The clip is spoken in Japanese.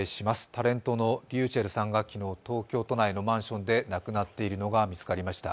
タレントのｒｙｕｃｈｅｌｌさんが昨日、東京都内のマンションで亡くなっているのが分かりました。